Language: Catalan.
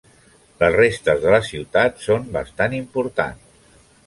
Les restes de la ciutat són bastant importants.